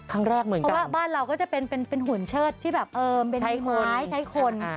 ครั้งแรกเหมือนกันเพราะว่าบ้านเราก็จะเป็นหุ่นเชิดที่แบบเออเป็นไม้ไม้ใช้คน